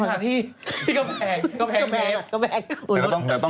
กินที่กำแพง